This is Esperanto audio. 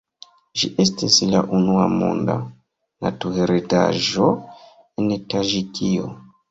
Ĝi estas la unua Monda Naturheredaĵo en Taĝikio.